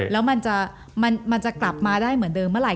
แล้วมันจะกลับมาได้เหมือนเดิมเมื่อไห